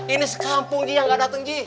ini sekampung ji yang gak dateng ji